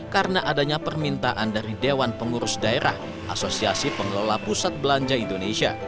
karena adanya permintaan dari dewan pengurus daerah asosiasi pengelola pusat belanja indonesia